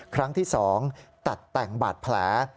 ครั้งที่๒ตัดแต่งบาดแผล